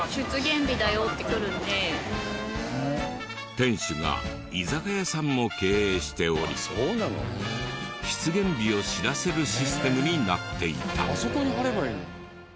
店主が居酒屋さんも経営しており出現日を知らせるシステムになっていた。